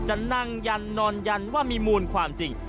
จะนั่งยันนอนยันว่ามีมูลความจริง